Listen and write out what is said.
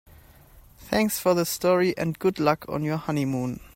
Thanks for the story and good luck on your honeymoon.